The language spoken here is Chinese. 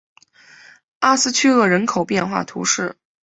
阿斯屈厄人口变化图示